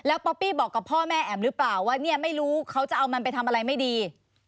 ป๊อปปี้บอกกับพ่อแม่แอ๋มหรือเปล่าว่าเนี่ยไม่รู้เขาจะเอามันไปทำอะไรไม่ดี